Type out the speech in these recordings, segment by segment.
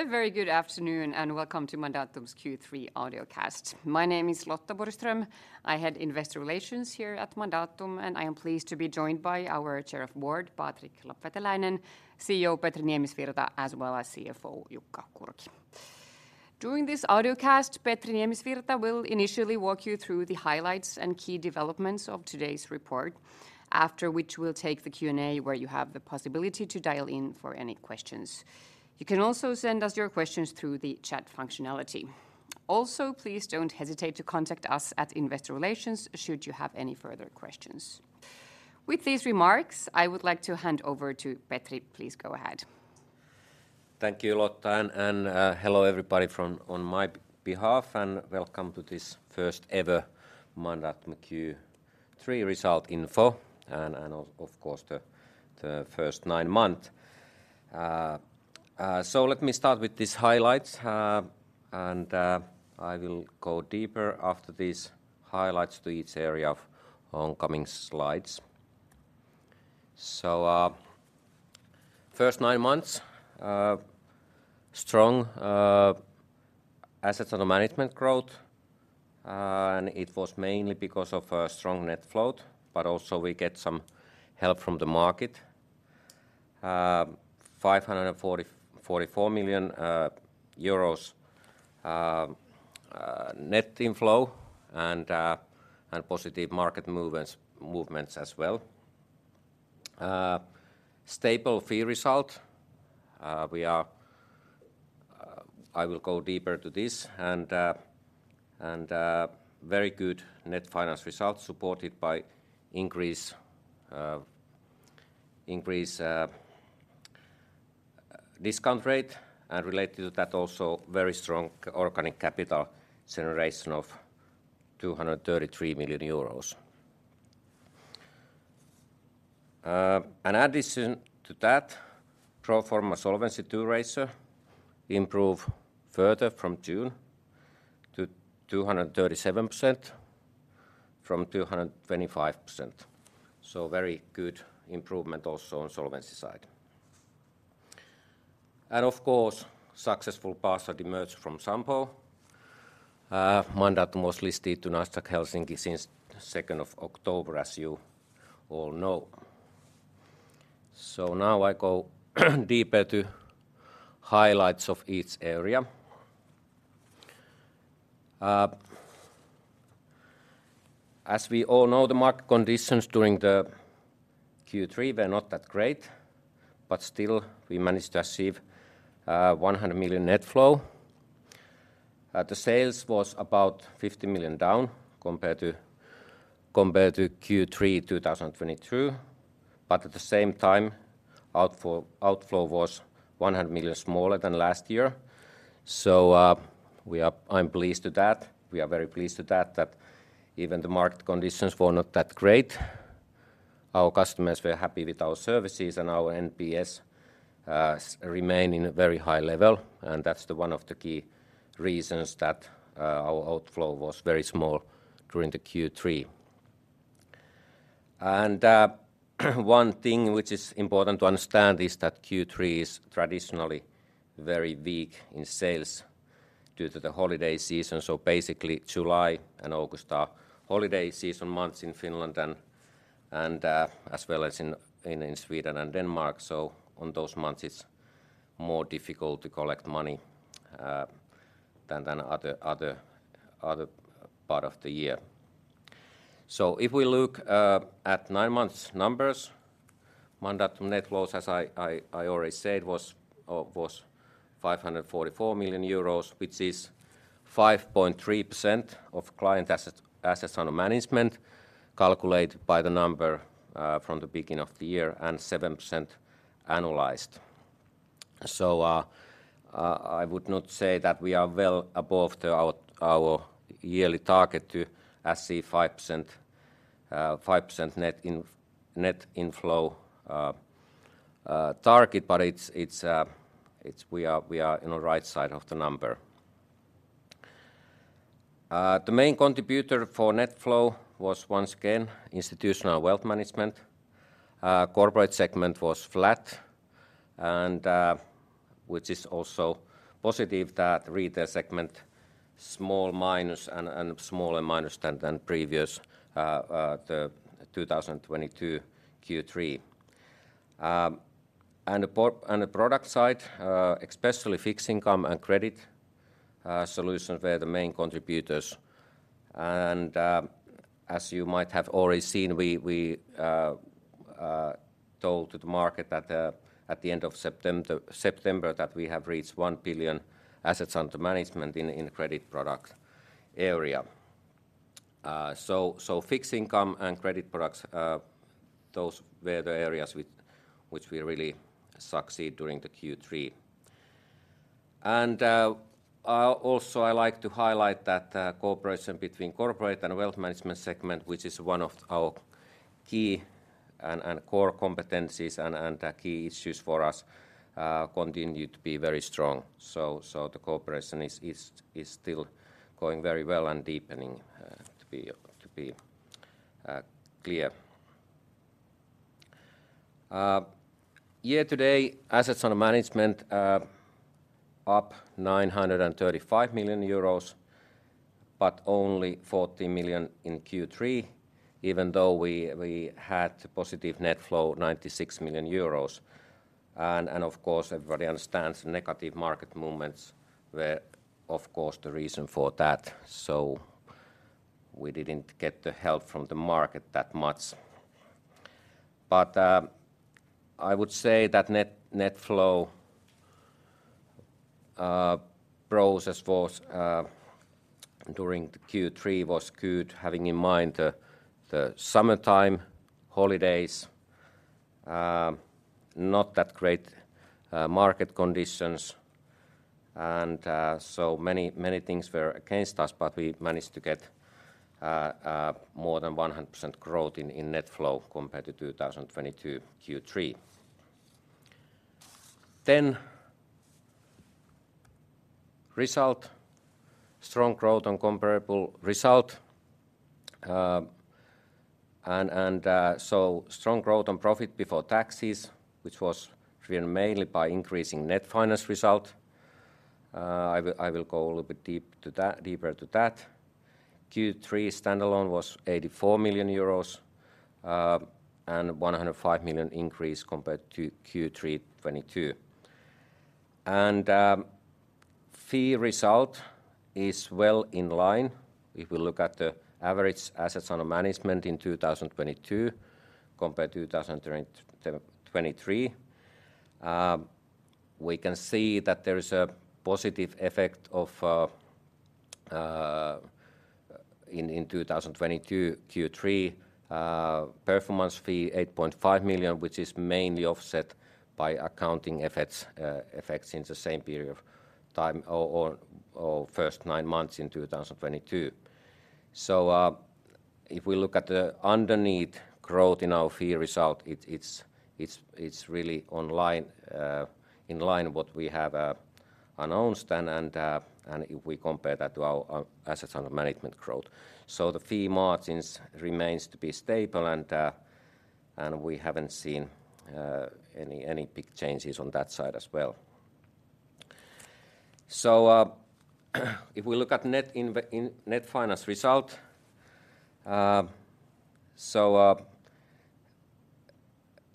A very good afternoon, and welcome to Mandatum's Q3 Audiocast. My name is Lotta Borgström. I head Investor Relations here at Mandatum, and I am pleased to be joined by our Chair of the Board, Patrick Lapveteläinen, CEO Petri Niemisvirta, as well as CFO Jukka Kurki. During this audiocast, Petri Niemisvirta will initially walk you through the highlights and key developments of today's report, after which we'll take the Q&A, where you have the possibility to dial in for any questions. You can also send us your questions through the chat functionality. Also, please don't hesitate to contact us at Investor Relations should you have any further questions. With these remarks, I would like to hand over to Petri. Please go ahead. Thank you, Lotta, and hello, everybody from on my behalf, and welcome to this first-ever Mandatum Q3 result info, and of course, the first nine-month. So let me start with these highlights, and I will go deeper after these highlights to each area of upcoming slides. So, first nine months, strong assets under management growth, and it was mainly because of strong net flow, but also we get some help from the market. EUR 544 million net inflow and positive market movements as well. Stable fee result. We are... I will go deeper to this, and very good net finance results, supported by increase discount rate, and related to that, also very strong organic capital generation of 233 million euros. In addition to that, pro forma Solvency II ratio improve further from June to 237%, from 225%. So very good improvement also on solvency side. And of course, successful partial demerger from Sampo. Mandatum was listed to Nasdaq Helsinki since second of October, as you all know. So now I go deeper to highlights of each area. As we all know, the market conditions during the Q3 were not that great, but still, we managed to achieve 100 million net flow. The sales was about 50 million down compared to Q3 2022, but at the same time, outflow was 100 million smaller than last year. So, we are. I'm pleased with that. We are very pleased with that, that even the market conditions were not that great, our customers were happy with our services, and our NPS remain in a very high level, and that's the one of the key reasons that our outflow was very small during the Q3. One thing which is important to understand is that Q3 is traditionally very weak in sales due to the holiday season. So basically, July and August are holiday season months in Finland and as well as in Sweden and Denmark. So on those months, it's more difficult to collect money than other part of the year. So if we look at nine-month numbers, Mandatum net flows, as I already said, was 544 million euros, which is 5.3% of client assets under management, calculated by the number from the beginning of the year, and 7% annualized. So I would not say that we are well above our yearly target to achieve 5% net inflow target, but it's we are in the right side of the number. The main contributor for net flow was once again Institutional Wealth Management. Corporate segment was flat, and which is also positive that Retail segment, small minus and smaller minus than previous, the 2022 Q3. And the product side, especially fixed income and credit solutions were the main contributors. And as you might have already seen, we told to the market that at the end of September that we have reached 1 billion assets under management in credit product area. So fixed income and credit products those were the areas which we really succeed during the Q3. And also, I like to highlight that cooperation between Corporate and Wealth Management segment, which is one of our key and core competencies and key issues for us, continued to be very strong. So the cooperation is still going very well and deepening, to be clear. Year-to-date, assets under management up 935 million euros, but only 40 million in Q3, even though we had positive net flow of 96 million euros. And of course, everybody understands negative market movements were the reason for that. So we didn't get the help from the market that much. But I would say that net flow process was during the Q3 good, having in mind the summertime holidays, not that great market conditions, and so many things were against us, but we managed to get more than 100% growth in net flow compared to 2022 Q3. Then, result. Strong growth on comparable result. So strong growth on profit before taxes, which was driven mainly by increasing net finance result. I will go a little bit deeper to that. Q3 standalone was 84 million euros, and 105 million increase compared to Q3 2022. Fee result is well in line. If we look at the average assets under management in 2022, compared to 2023, we can see that there is a positive effect of in 2022 Q3 performance fee 8.5 million, which is mainly offset by accounting effects in the same period of time or first nine months in 2022. So, if we look at the underlying growth in our fee result, it's really in line with what we have announced, and if we compare that to our assets under management growth. The fee margins remain stable, and we haven't seen any big changes on that side as well. So, if we look at net finance result,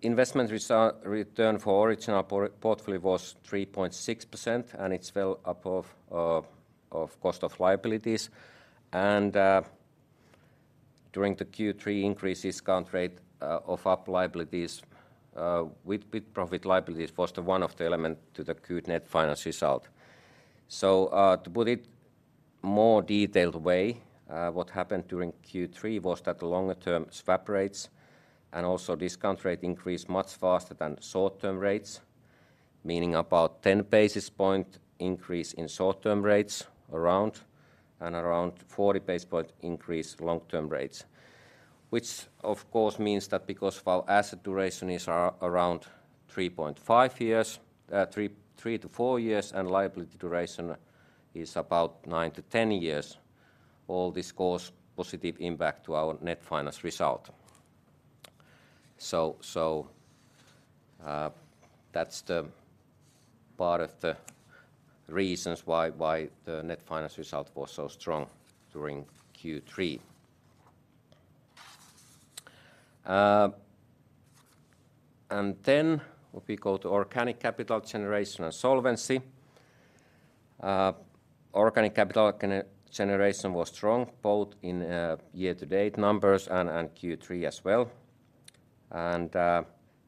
investment return for overall portfolio was 3.6%, and it was above the cost of liabilities. And, during the Q3 increase in discount rate for unit-linked liabilities with with-profit liabilities was one of the elements to the good net finance result. So, to put it more detailed way, what happened during Q3 was that the longer-term swap rates and also discount rate increased much faster than the short-term rates, meaning about 10 basis point increase in short-term rates, and around 40 basis point increase long-term rates. Which of course means that because while asset duration is around 3.5 years, 3-4 years, and liability duration is about 9-10 years, all this cause positive impact to our net finance result. So, that's the part of the reasons why the net finance result was so strong during Q3. And then if we go to organic capital generation and solvency. Organic capital generation was strong, both in year-to-date numbers and Q3 as well.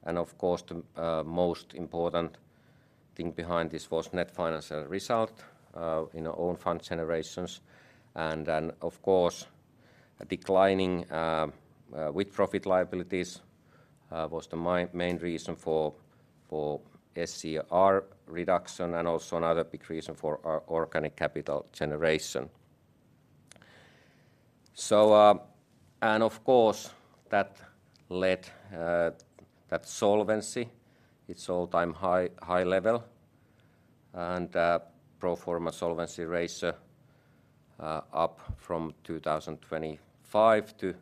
Of course, the most important thing behind this was net finance result in our own funds generation. Of course, a declining with-profit liabilities was the main reason for SCR reduction and also another big reason for our organic capital generation. So, that led that solvency to its all-time high level, and pro forma solvency ratio up from 2025 to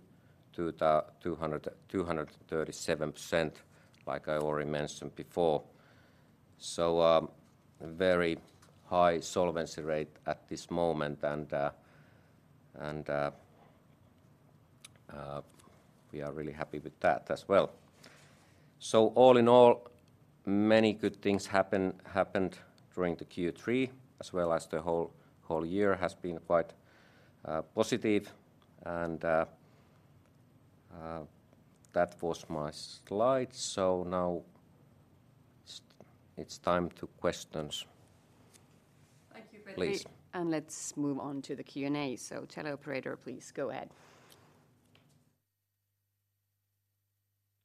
237%, like I already mentioned before. So, very high solvency rate at this moment, and we are really happy with that as well. So all in all, many good things happened during the Q3, as well as the whole year has been quite positive. And that was my slide. Now it's time for questions. Thank you, Petri. Please. Let's move on to the Q&A. Tell operator, please go ahead.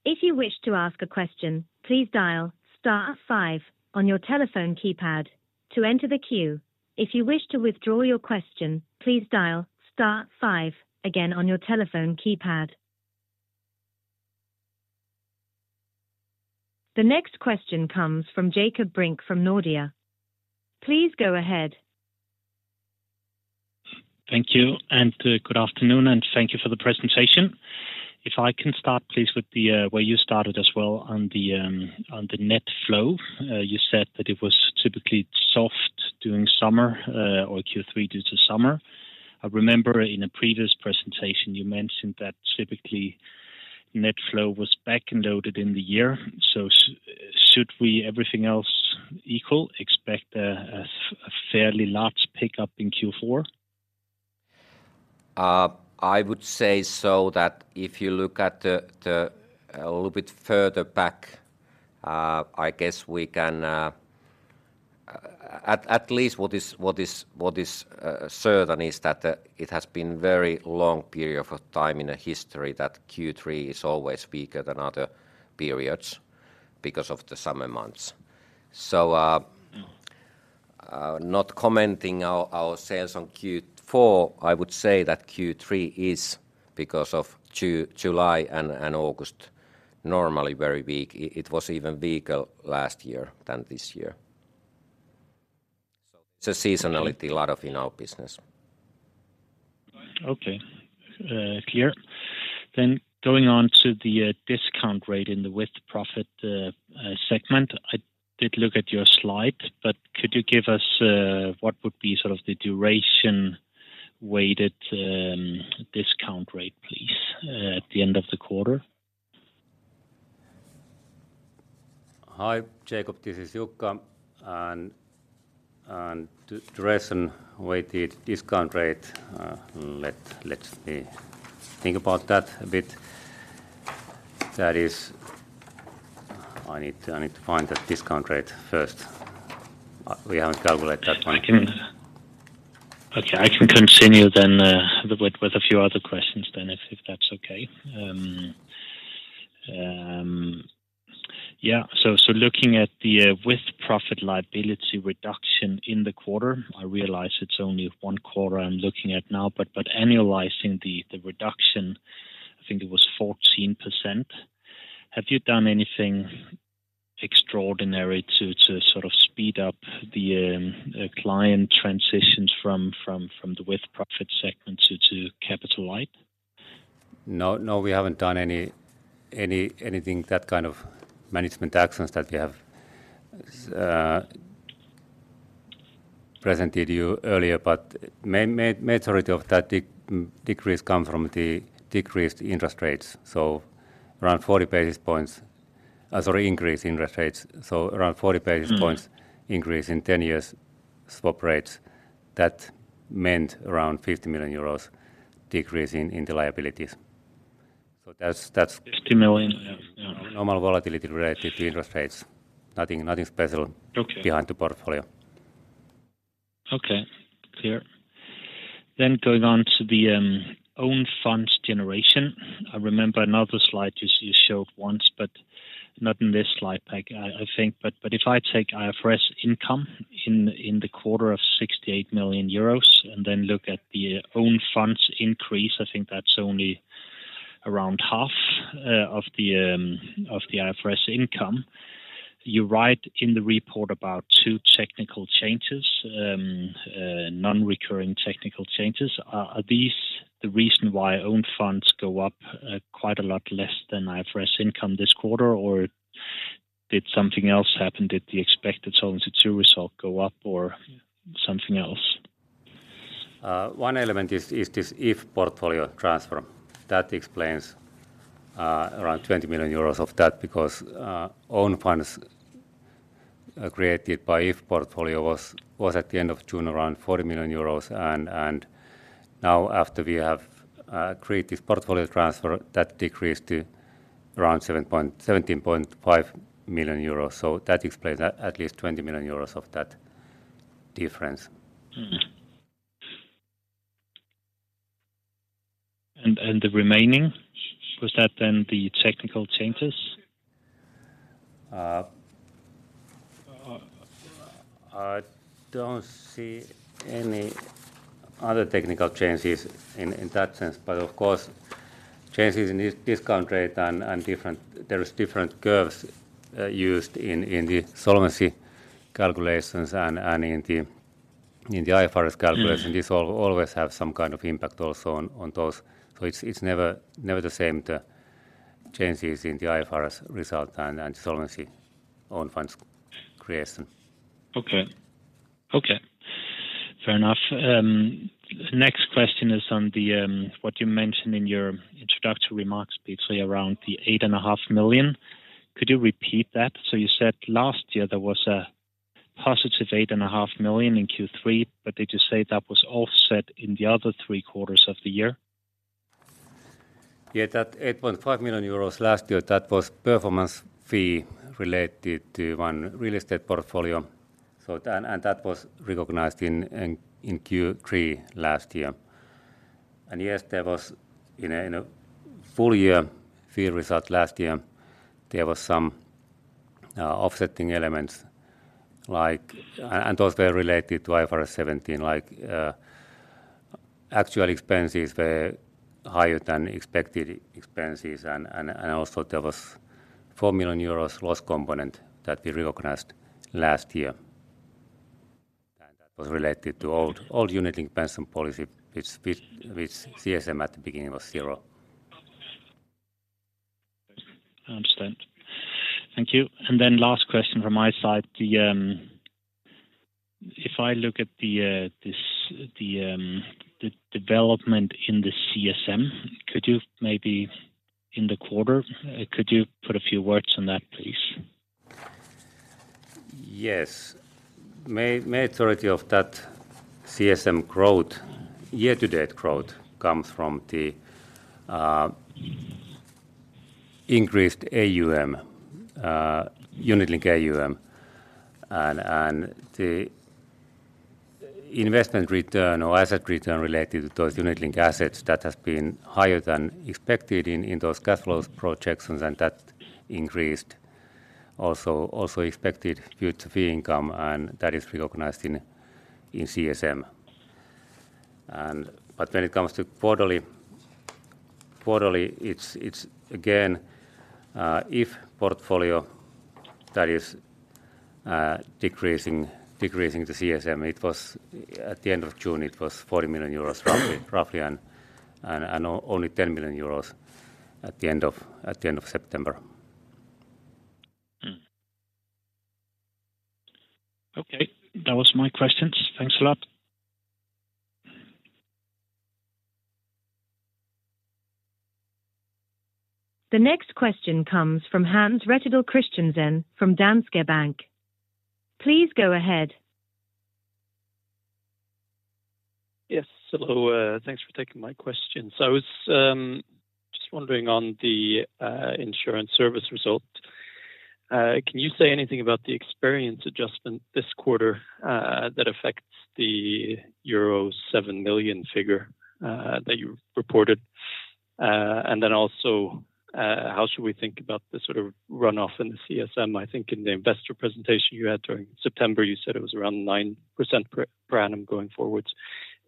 If you wish to ask a question, please dial star five on your telephone keypad to enter the queue. If you wish to withdraw your question, please dial star five again on your telephone keypad. The next question comes from Jakob Brink from Nordea. Please go ahead.... Thank you, and good afternoon, and thank you for the presentation. If I can start, please, with where you started as well on the Net Flow. You said that it was typically soft during summer or Q3 due to summer. I remember in a previous presentation you mentioned that typically Net Flow was back-end loaded in the year. So should we, everything else equal, expect a fairly large pickup in Q4? At least what is certain is that it has been very long period of time in the history that Q3 is always weaker than other periods because of the summer months. So, not commenting our sales on Q4, I would say that Q3 is because of July and August, normally very weak. It was even weaker last year than this year. So seasonality, a lot of in our business. Okay, clear. Then going on to the discount rate in the With-Profit segment. I did look at your slide, but could you give us what would be sort of the duration-weighted discount rate, please, at the end of the quarter? Hi, Jacob, this is Jukka. To duration weighted discount rate, let me think about that a bit. That is... I need to find the discount rate first. We haven't calculated that one. Okay, I can continue then with a few other questions then, if that's okay. Yeah, so looking at the With-Profit liability reduction in the quarter, I realize it's only one quarter I'm looking at now, but annualizing the reduction, I think it was 14%. Have you done anything extraordinary to sort of speed up the client transitions from the With-Profit segment to capital light? No, no, we haven't done anything, that kind of management actions that we have presented you earlier. But majority of that decrease come from the decreased interest rates, so around 40 basis points. Sorry, increase interest rates, so around 40 basis- Mm-hmm... points increase in 10-year swap rates. That meant around 50 million euros decrease in the liabilities. So that's 50 million? Yeah. Normal volatility related to interest rates. Nothing, nothing special- Okay... behind the portfolio. Okay, clear. Then going on to the own funds generation. I remember another slide you showed once, but not in this slide pack, I think. But if I take IFRS income in the quarter of 68 million euros, and then look at the own funds increase, I think that's only around half of the IFRS income. You write in the report about two technical changes, non-recurring technical changes. Are these the reason why own funds go up quite a lot less than IFRS income this quarter, or did something else happen? Did the expected Solvency II result go up or something else? One element is this if portfolio transfer. That explains around 20 million euros of that, because own funds created by if portfolio was at the end of June around 40 million euros, and now after we have created this portfolio transfer, that decreased to around 17.5 million euros. So that explains at least 20 million euros of that difference. Mm-hmm. And, and the remaining, was that then the technical changes? I don't see any other technical changes in that sense, but of course, changes in discount rate and there are different curves used in the solvency calculations and in the IFRS calculation. Mm-hmm. This all always have some kind of impact also on those. So it's never the same, the changes in the IFRS result and solvency on funds creation. Okay. Okay, fair enough. The next question is on the, what you mentioned in your introductory remarks, basically around the 8.5 million. Could you repeat that? So you said last year there was a positive 8.5 million in Q3, but did you say that was offset in the other three quarters of the year? Yeah, that 8.5 million euros last year, that was performance fee related to one real estate portfolio. So then, and that was recognized in Q3 last year. And yes, there was in a full year fee result last year, there was some offsetting elements like. And those were related to IFRS 17, like actual expenses were higher than expected expenses and also there was 4 million euros loss component that we recognized last year, and that was related to old unit investment policy, which CSM at the beginning was zero. I understand. Thank you. And then last question from my side, if I look at the development in the CSM, could you maybe in the quarter put a few words on that, please? Yes. Majority of that CSM growth, year-to-date growth comes from the increased AUM, unit link AUM, and the investment return or asset return related to those unit link assets that has been higher than expected in those cash flows projections, and that increased also expected future fee income, and that is recognized in CSM. But when it comes to quarterly, it's again the portfolio that is decreasing the CSM. It was at the end of June, it was 40 million euros roughly, and only 10 million euros at the end of September. Mm. Okay. That was my questions. Thanks a lot. The next question comes from Hans Rettedal Christensen from Danske Bank. Please go ahead. Yes, hello, thanks for taking my question. So I was just wondering on the insurance service result, can you say anything about the experience adjustment this quarter that affects the euro 7 million figure that you reported? And then also, how should we think about the sort of runoff in the CSM? I think in the investor presentation you had during September, you said it was around 9% per annum going forward.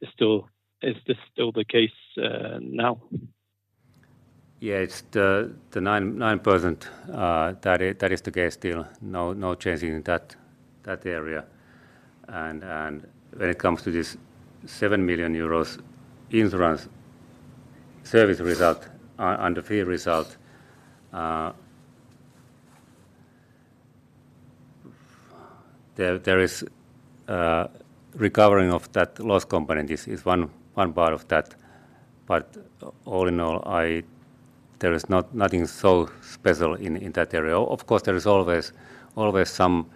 Is this still the case now? Yeah, it's the 9% that is the case still. No changing in that area. And when it comes to this 7 million euros insurance service result and the fee result, there is recovering of that loss component. This is one part of that, but all in all, I... There is nothing so special in that area. Of course, there is always some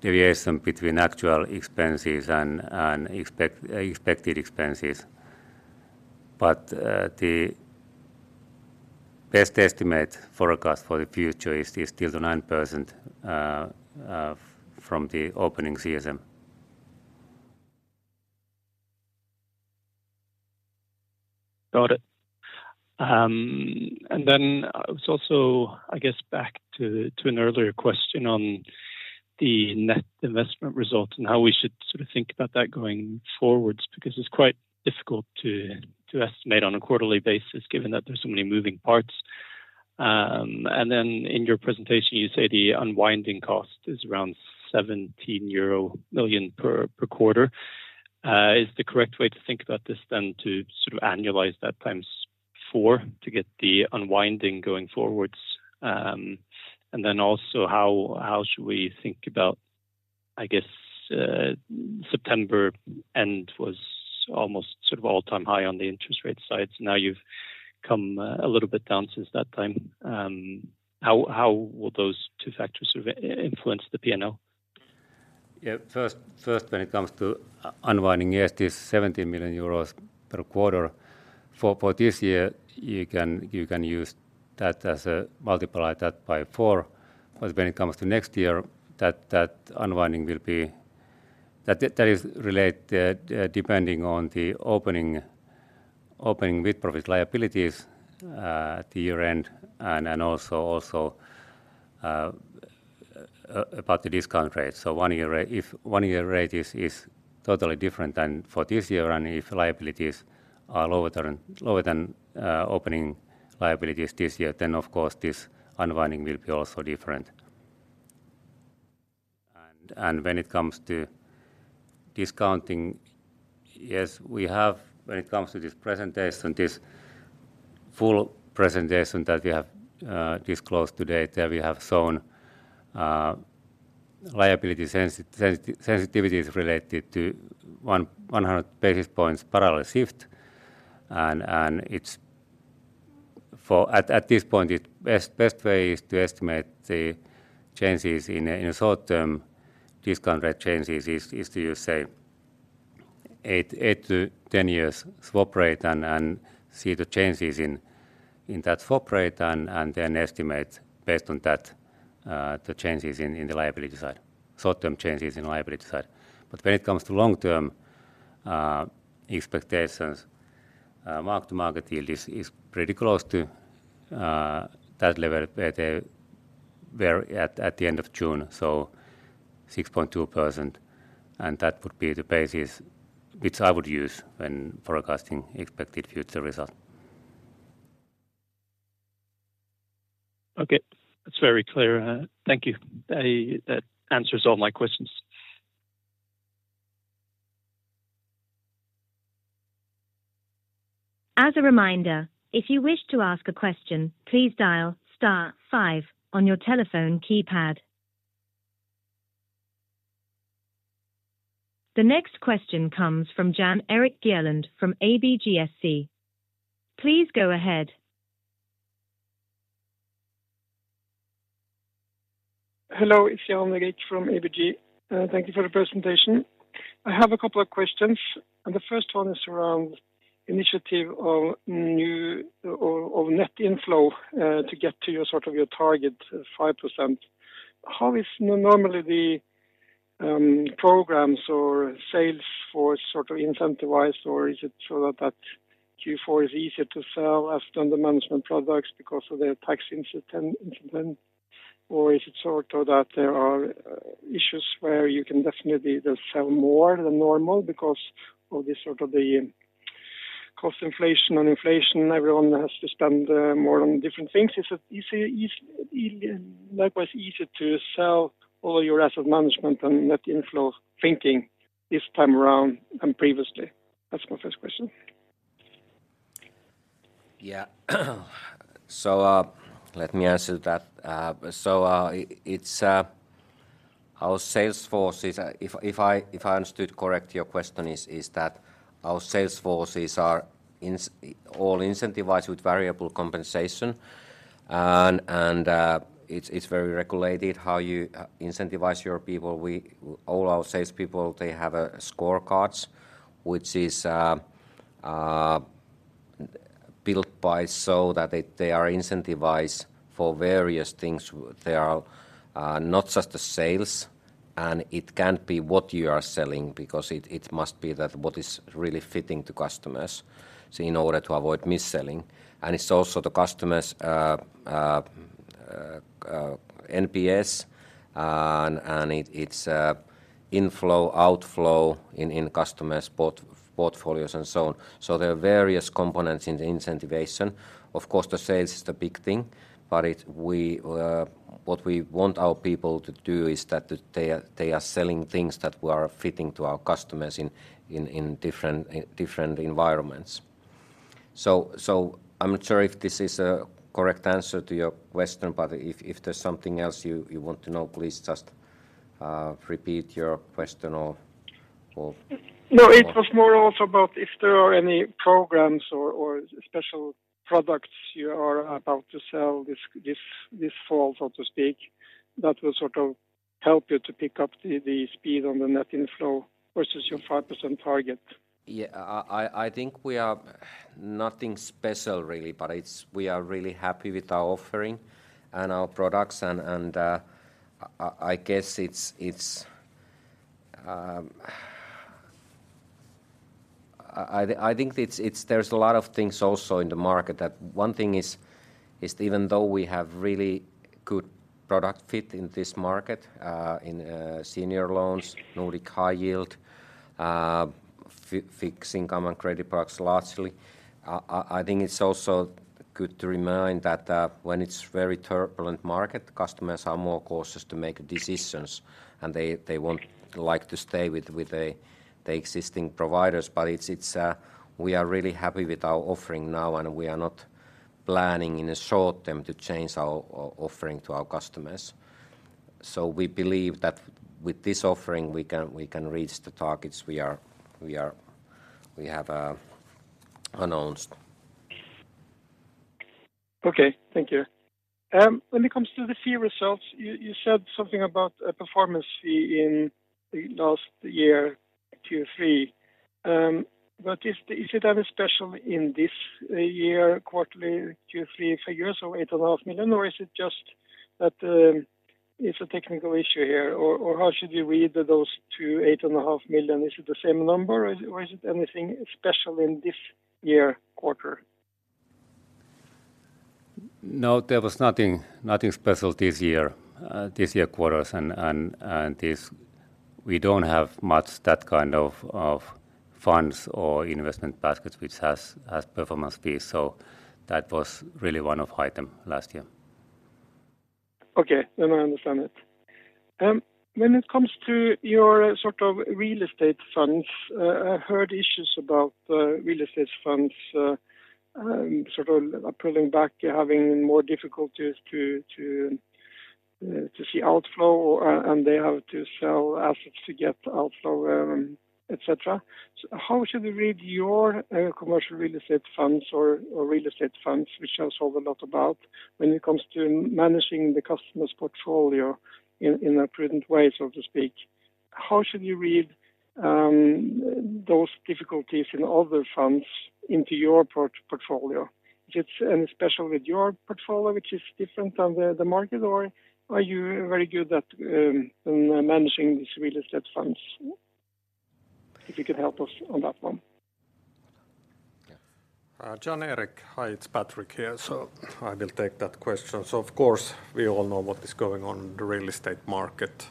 deviation between actual expenses and expected expenses, but the best estimate forecast for the future is still the 9% from the opening CSM. Got it. And then I was also, I guess, back to an earlier question on the net investment results and how we should sort of think about that going forwards, because it's quite difficult to estimate on a quarterly basis, given that there's so many moving parts. And then in your presentation, you say the unwinding cost is around 17 million euro per quarter. Is the correct way to think about this then to sort of annualize that times 4 to get the unwinding going forwards? And then also, how should we think about, I guess, September end was almost sort of all-time high on the interest rate side. Now you've come a little bit down since that time. How will those two factors sort of influence the PNL? Yeah, first, when it comes to unwinding, yes, it is 70 million euros per quarter. For this year, you can use that as a... multiply that by 4, but when it comes to next year, that unwinding will be, that is related, depending on the opening with-profit liabilities at the year-end, and also about the discount rate. So if one-year rate is totally different than for this year, and if liabilities are lower than opening liabilities this year, then of course this unwinding will be also different. When it comes to discounting, yes, we have when it comes to this presentation, this full presentation that we have disclosed to date, there we have shown liability sensitivity related to 100 basis points parallel shift, and it's for... At this point, the best way is to estimate the changes in short-term discount rate changes is to use, say, 8-10 years swap rate and see the changes in that swap rate, and then estimate based on that the changes in the liability side, short-term changes in liability side. But when it comes to long-term expectations, mark-to-market yield is pretty close to that level, the... where at the end of June, so 6.2%, and that would be the basis which I would use when forecasting expected future result. Okay, that's very clear. Thank you. That answers all my questions. As a reminder, if you wish to ask a question, please dial star five on your telephone keypad. The next question comes from Jan-Erik Gjerland from ABGSC. Please go ahead. Hello, it's Jan-Erik from ABG. Thank you for the presentation. I have a couple of questions, and the first one is around initiative of new or net inflow to get to your sort of your target 5%. How is normally the programs or sales force sort of incentivized, or is it so that Q4 is easier to sell than the management products because of their tax incentive? Or is it sort of that there are issues where you can definitely sell more than normal because of the sort of the cost inflation and inflation, everyone has to spend more on different things. Is it easy, likewise easy to sell all your asset management and net inflow thinking this time around than previously? That's my first question. Yeah. So, let me answer that. So, it's our sales force is... If I understood correct, your question is, is that our sales forces are all incentivized with variable compensation, and, it's very regulated how you incentivize your people. All our sales people, they have scorecards, which is built by so that they, they are incentivized for various things. They are not just the sales, and it can't be what you are selling because it must be that what is really fitting to customers, so in order to avoid mis-selling. And it's also the customers' NPS, and it's inflow, outflow in customers' portfolios and so on. So there are various components in the incentivization. Of course, the sales is the big thing, but we, what we want our people to do is that they are selling things that we are fitting to our customers in different environments. So, I'm not sure if this is a correct answer to your question, but if there's something else you want to know, please just repeat your question or No, it was more also about if there are any programs or special products you are about to sell this fall, so to speak, that will sort of help you to pick up the speed on the net inflow versus your 5% target. Yeah. I think we are nothing special, really, but it's... We are really happy with our offering and our products, and I guess it's, it's—there's a lot of things also in the market that one thing is even though we have really good product fit in this market, in senior loans, Nordic High Yield, fixed income and credit products, largely. I think it's also good to remind that when it's very turbulent market, customers are more cautious to make decisions, and they want to like to stay with the existing providers. But it's, we are really happy with our offering now, and we are not planning in the short term to change our offering to our customers. So we believe that with this offering, we can reach the targets we are... We have announced. Okay. Thank you. When it comes to the fee results, you said something about a performance fee in the last year, Q3. But is it any special in this year, quarterly Q3 figures, so 8.5 million, or is it just that it's a technical issue here? Or how should you read those two, 8.5 million? Is it the same number, or is it anything special in this year quarter? No, there was nothing, nothing special this year, this year quarters and this, we don't have much that kind of funds or investment baskets, which has performance fees. So that was really one-off item last year. Okay. Then I understand it. When it comes to your sort of real estate funds, I heard issues about real estate funds, sort of pulling back, having more difficulties to see outflow, and they have to sell assets to get outflow, et cetera. So how should we read your commercial real estate funds or real estate funds, which I saw a lot about, when it comes to managing the customer's portfolio in a prudent way, so to speak? How should you read those difficulties in other funds into your portfolio? Is it any special with your portfolio, which is different than the market, or are you very good at managing these real estate funds? If you could help us on that one.... Jan-Erik. Hi, it's Patrick here, so I will take that question. So of course, we all know what is going on in the real estate market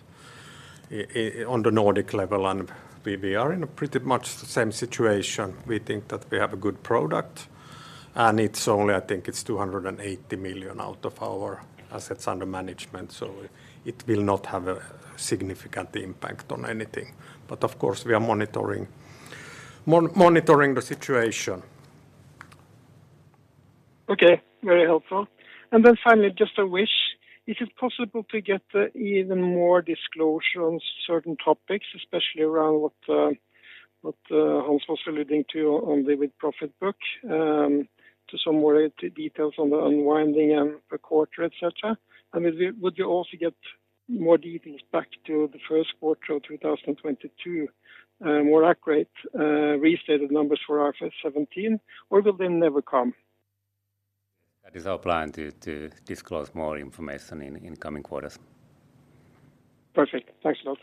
in on the Nordic level, and we are in pretty much the same situation. We think that we have a good product, and it's only, I think it's 280 million out of our assets under management, so it will not have a significant impact on anything. But of course, we are monitoring the situation. Okay, very helpful. Then finally, just a wish. Is it possible to get even more disclosure on certain topics, especially around what, what Hans was alluding to on the With-Profit book, to some more details on the unwinding and per quarter, et cetera? I mean, would you also get more details back to the first quarter of 2022, more accurate restated numbers for IFRS 17, or will they never come? That is our plan to disclose more information in coming quarters. Perfect. Thanks a lot.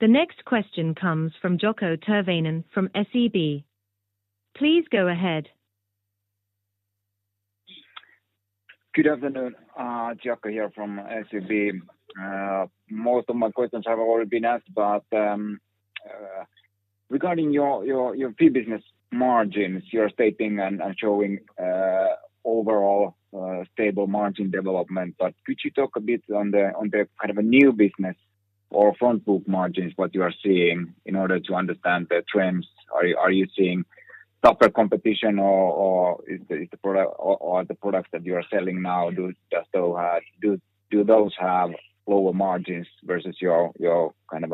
The next question comes from Jaakko Tyrväinen from SEB. Please go ahead. Good afternoon, Jaakko here from SEB. Most of my questions have already been asked, but regarding your fee business margins, you're stating and showing overall stable margin development. But could you talk a bit on the kind of a new business or front book margins, what you are seeing in order to understand the trends? Are you seeing tougher competition or is the product or the products that you are selling now, do those have lower margins versus your kind of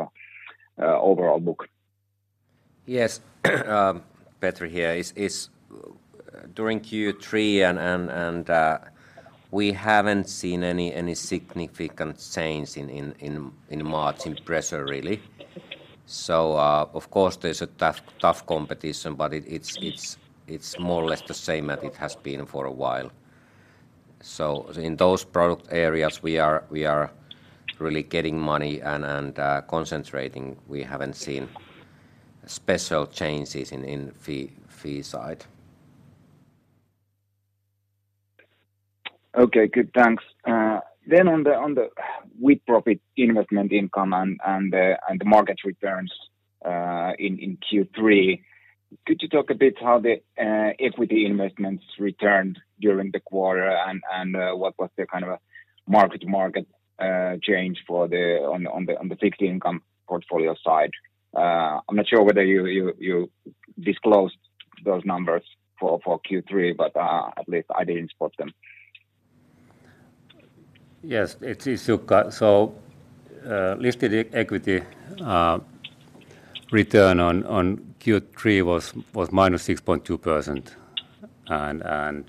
overall book? Yes, Patrick here. During Q3 and we haven't seen any significant change in margin pressure, really. So, of course, there's a tough competition, but it's more or less the same as it has been for a while. So in those product areas, we are really getting money and concentrating. We haven't seen special changes in fee side. Okay, good, thanks. Then on the With-Profit investment income and the mortgage returns in Q3, could you talk a bit how the equity investments returned during the quarter, and what was the kind of a market change for the fixed income portfolio side? I'm not sure whether you disclosed those numbers for Q3, but at least I didn't spot them. Yes, it's Jukka. So, listed equity return on Q3 was -6.2%. And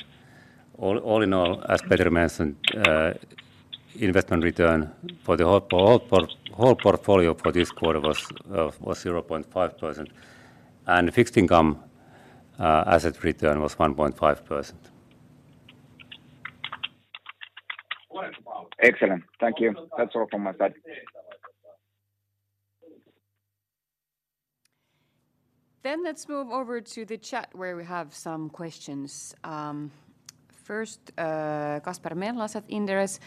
all in all, as Patrick mentioned, investment return for the whole portfolio for this quarter was 0.5%, and fixed income asset return was 1.5%. Excellent. Thank you. That's all from my side. Then let's move over to the chat, where we have some questions. First, Kasper Mellas at Inderes,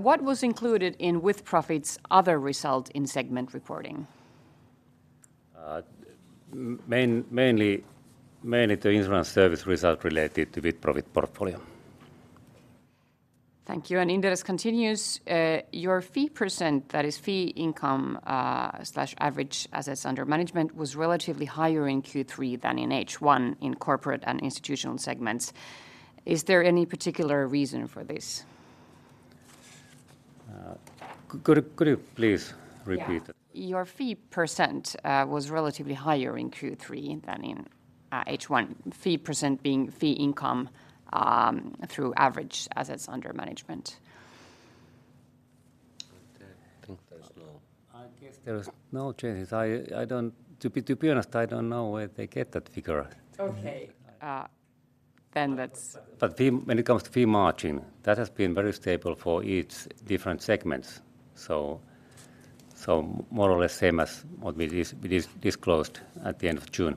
"What was included in with profits other result in segment reporting? Mainly the insurance service result related to with-profit portfolio. Thank you, and Inderes continues, "Your fee percent, that is fee income, slash average assets under management, was relatively higher in Q3 than in H1 in corporate and institutional segments. Is there any particular reason for this? Could you please repeat it? Yeah. Your fee percent was relatively higher in Q3 than in H1. Fee percent being fee income through average assets under management. I think there's no changes. I guess there is no changes. To be honest, I don't know where they get that figure. Okay, then let's- But if, when it comes to fee margin, that has been very stable for each different segments. So, so more or less same as what we disclosed at the end of June,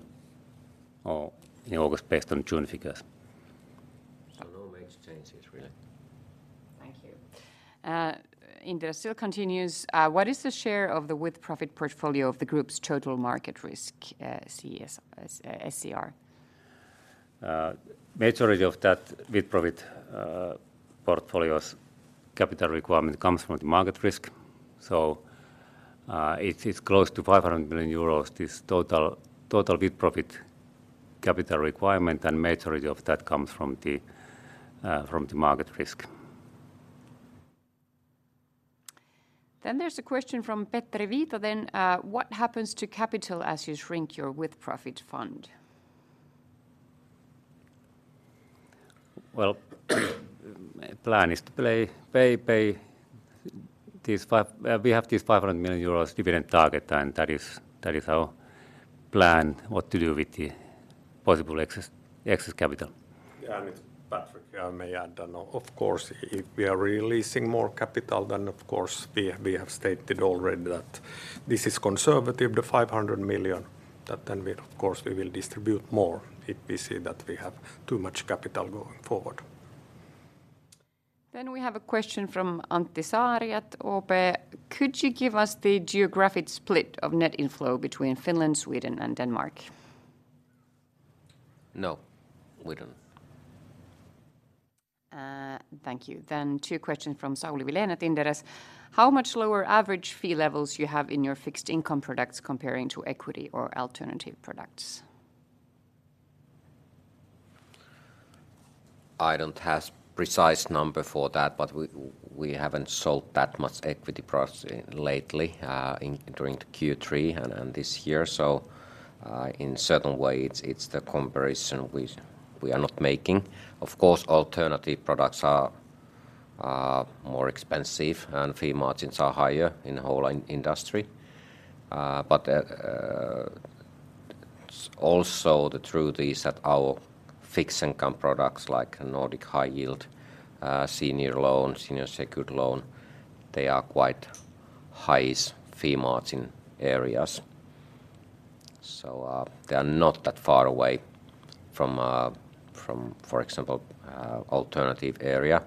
or in August, based on June figures. So no major changes, really. Thank you. Inderes still continues, "What is the share of the With-Profit portfolio of the group's total market risk, CSM SCR? Majority of that with profit portfolio's capital requirement comes from the market risk. So, it's close to 500 million euros, this total with profit capital requirement, and majority of that comes from the market risk. There's a question from Petteri Viita, then, "What happens to capital as you shrink your With-Profit fund? Well, plan is to pay this 500 million euros dividend target, and that is our plan, what to do with the possible excess capital. Yeah, and it's Patrick. I may add that, of course, if we are releasing more capital, then, of course, we have stated already that this is conservative, the 500 million, that then we, of course, will distribute more if we see that we have too much capital going forward. We have a question from Antti Saari at OP: Could you give us the geographic split of net inflow between Finland, Sweden, and Denmark? No, we don't. Thank you. Then two questions from Sauli Vilén at Inderes. How much lower average fee levels you have in your fixed income products comparing to equity or alternative products? I don't have precise number for that, but we haven't sold that much equity products lately and during the Q3 and this year. So in certain way, it's the comparison we are not making. Of course, alternative products are more expensive, and fee margins are higher in the whole industry. But also, the truth is that our fixed income products, like Nordic High Yield, senior secured loan, they are quite highest fee margin areas. So they are not that far away from, for example, alternative area.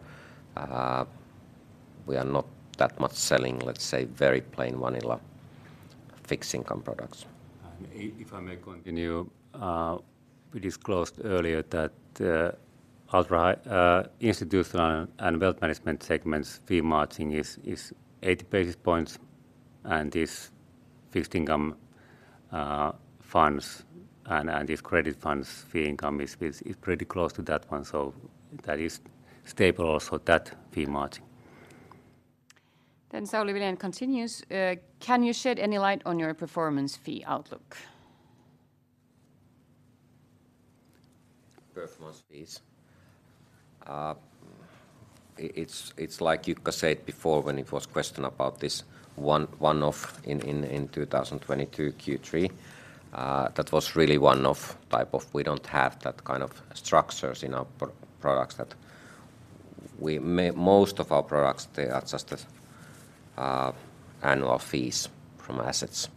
We are not that much selling, let's say, very plain vanilla fixed income products. And if I may continue, we disclosed earlier that, Ultra High... Institutional and Wealth Management segments fee margin is 8 basis points, and this fixed income funds and this credit funds fee income is pretty close to that one, so that is stable also, that fee margin. Then Sauli Vilén continues: Can you shed any light on your performance fee outlook? Performance fees. It's like Jukka said before, when it was questioned about this one-off in 2022 Q3, that was really one-off type of... We don't have that kind of structures in our products that we—most of our products, they are just annual fees from assets,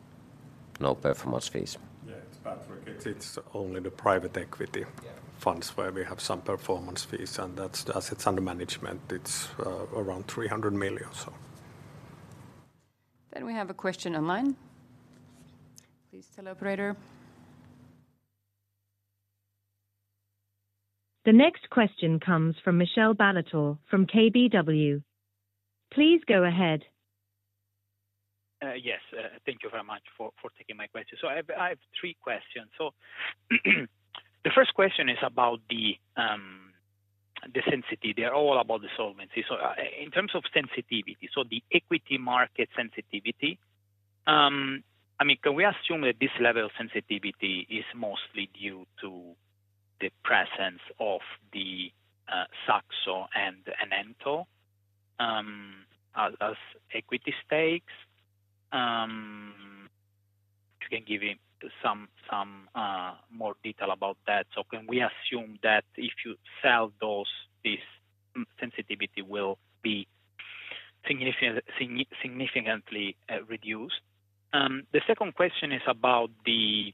no performance fees. Yeah, it's Patrick. It's only the private equity- Yeah... funds where we have some performance fees, and that's the assets under management. It's around 300 million, so. Then we have a question online. Please tell operator. The next question comes from Michele Ballatore from KBW. Please go ahead. Yes. Thank you very much for taking my question. So I have three questions. So, the first question is about the sensitivity. They're all about the solvency. In terms of sensitivity, so the equity market sensitivity, I mean, can we assume that this level of sensitivity is mostly due to the presence of the Saxo and Enento as equity stakes? If you can give me some more detail about that. So can we assume that if you sell those, this sensitivity will be significantly reduced? The second question is about the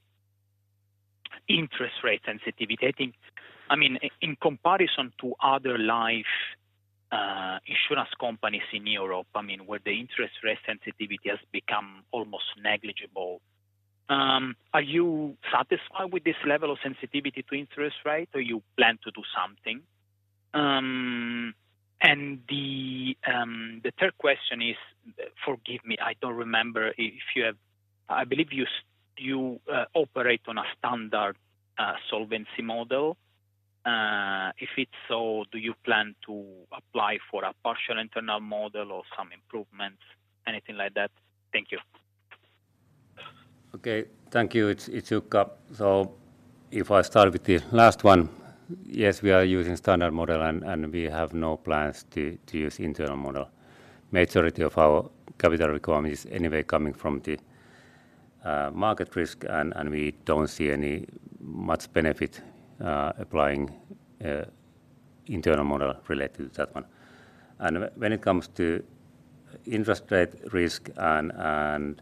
interest rate sensitivity. I think, I mean, in comparison to other life insurance companies in Europe, I mean, where the interest rate sensitivity has become almost negligible, are you satisfied with this level of sensitivity to interest rate, or you plan to do something? And the third question is... Forgive me, I don't remember if you have. I believe you operate on a standard solvency model. If it's so, do you plan to apply for a partial internal model or some improvements, anything like that? Thank you. Okay. Thank you. It's Jukka. So if I start with the last one, yes, we are using standard model, and we have no plans to use internal model. Majority of our capital requirement is anyway coming from the market risk, and we don't see any much benefit applying internal model related to that one. And when it comes to interest rate risk, and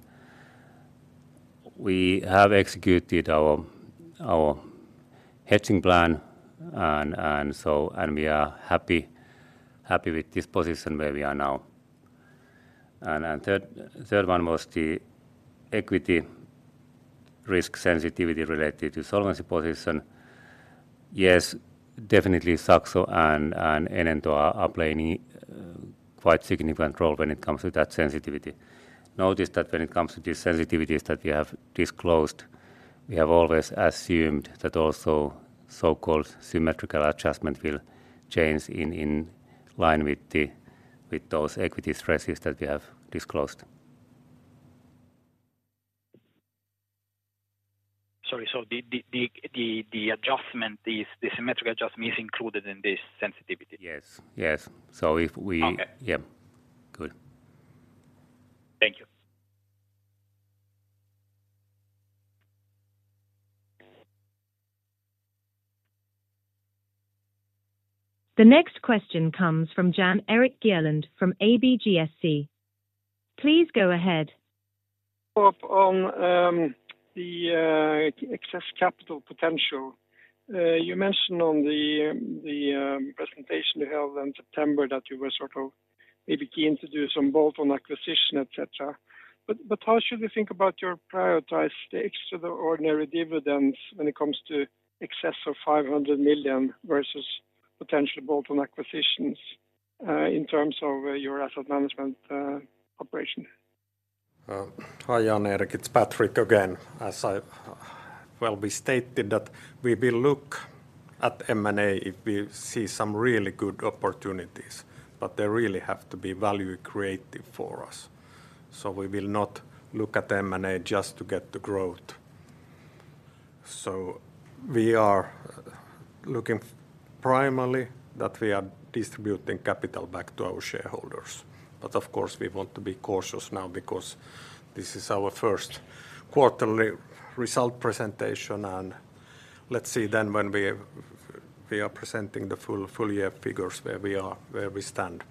we have executed our hedging plan, and so. And we are happy with this position where we are now. And third one was the equity risk sensitivity related to solvency position. Yes, definitely Saxo and Enento are playing a quite significant role when it comes to that sensitivity. Notice that when it comes to the sensitivities that we have disclosed, we have always assumed that also so-called symmetrical adjustment will change in line with those equity stresses that we have disclosed. Sorry, so the symmetrical adjustment is included in this sensitivity? Yes. Yes. So if we- Okay. Yeah. Good.... Thank you. The next question comes from Jan-Erik Gjerland from ABGSC. Please go ahead. On the excess capital potential, you mentioned on the presentation you held in September that you were sort of maybe keen to do some bolt-on acquisition, et cetera. But how should we think about your prioritized extra extraordinary dividends when it comes to excess of 500 million versus potential bolt-on acquisitions in terms of your asset management operation? Hi, Jan-Erik, it's Patrick again. Well, we stated that we will look at M&A if we see some really good opportunities, but they really have to be value creative for us. So we will not look at M&A just to get the growth. So we are looking primarily that we are distributing capital back to our shareholders, but of course, we want to be cautious now because this is our first quarterly result presentation, and let's see then when we are presenting the full year figures where we are, where we stand.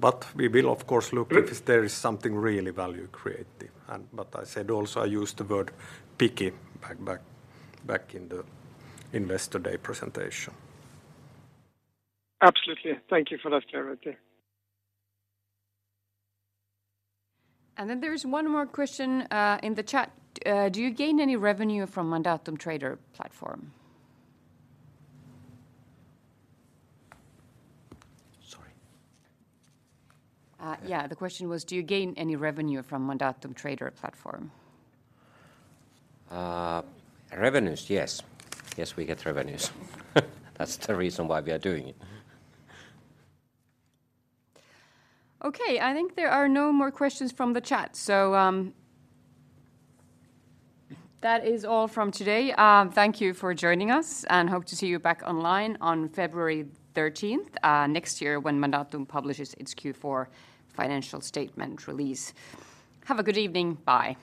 But we will of course look if there is something really value creative and... But I said also, I used the word picky, back in the Investor Day presentation. Absolutely. Thank you for that clarity. And then there is one more question, in the chat. Do you gain any revenue from Mandatum Trader platform? Sorry. Yeah, the question was: Do you gain any revenue from Mandatum Trader platform? Revenues? Yes. Yes, we get revenues. That's the reason why we are doing it. Okay, I think there are no more questions from the chat, so that is all from today. Thank you for joining us, and hope to see you back online on February thirteenth next year when Mandatum publishes its Q4 financial statement release. Have a good evening. Bye.